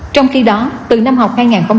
trong khi đó từ năm học